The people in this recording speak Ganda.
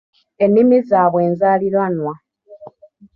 Ennimi zaabwe enzaaliranwa.